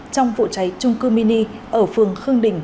trong vụ cháy trung cư mini ở phường khương đình